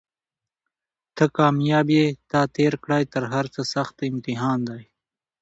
ته کامیاب یې تا تېر کړی تر هرڅه سخت امتحان دی